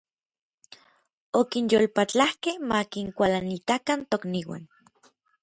Okinyolpatlakej ma kinkualanitakan tokniuan.